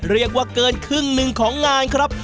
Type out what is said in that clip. เรียกว่าเกินครึ่งหนึ่งของงานครับ